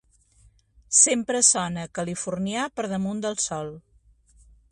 Sempre sona, californià, per damunt del sol.